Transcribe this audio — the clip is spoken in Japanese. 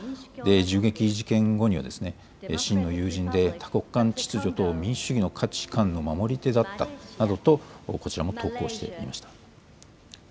銃撃事件後には、真の友人で、多国間秩序と民主主義の価値観の守り手だったなどと、こちらも投稿していました。